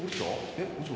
えっ？嘘？